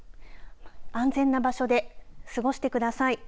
安全な場所で過ごしてください。